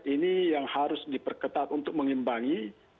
ini yang harus diperketat untuk mengimbangi